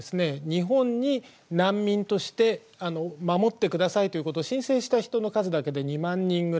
日本に難民として守ってくださいということで申請した人の数だけで２万人ぐらいなんです。